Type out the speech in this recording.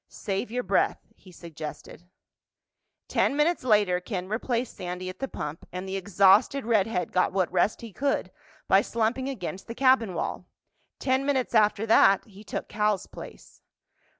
"Save your breath," he suggested. Ten minutes later Ken replaced Sandy at the pump and the exhausted redhead got what rest he could by slumping against the cabin wall. Ten minutes after that he took Cal's place.